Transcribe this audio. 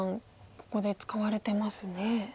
ここで使われてますね。